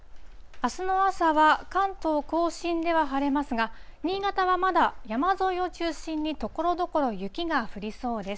あすの朝は関東甲信では晴れますが、新潟はまだ山沿いを中心にところどころ雪が降りそうです。